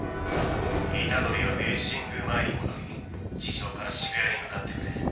虎杖は明治神宮前に戻り地上から渋谷に向かってくれ。